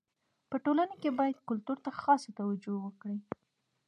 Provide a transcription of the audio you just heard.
په ټولنه کي باید کلتور ته خاصه توجو وکړي.